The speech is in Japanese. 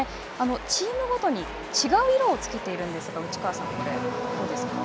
チームごとに違う色をつけているんですが内川さん、これ、どうですか。